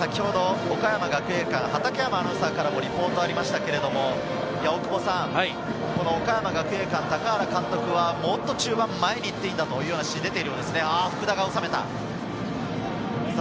先ほど岡山学芸館・畠山アナウンサーからのリポートがありましたが、岡山学芸館・高原監督は中盤、もっと前に行っていいという話が出ているようですね。